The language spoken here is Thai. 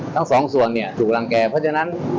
ทั้งสองส่วนเนี่ยถูกรังแก่เพราะฉะนั้น